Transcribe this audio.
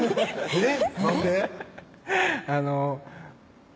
えっ⁉